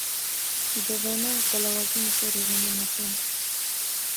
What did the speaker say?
د ویناوو په لوازمو پورې ونه نښلم.